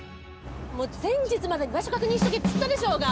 もう前日までに場所確認しとけっつったでしょうが！